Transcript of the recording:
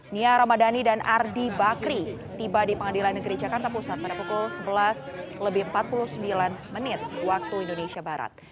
nia ramadhani dan ardi bakri tiba di pengadilan negeri jakarta pusat pada pukul sebelas lebih empat puluh sembilan waktu indonesia barat